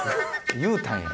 言うたんや。